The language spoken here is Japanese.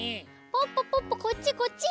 ポッポポッポこっちこっち。